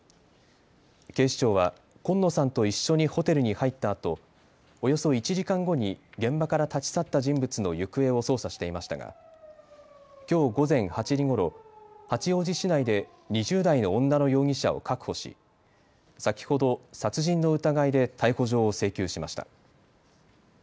警視庁は今野さんと一緒にホテルに入ったあとおよそ１時間後に現場から立ち去った人物の行方を捜査していましたがきょう午前８時ごろ、八王子市内で２０代の女の容疑者を確保し先ほど、殺人の疑いで逮捕状を請求しました。